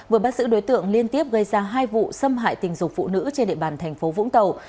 vừa bắt giữ đối tượng liên tiếp gây ra hai vụ xâm hại tình dục phụ nữ trên địa bàn thành phố vũng tàu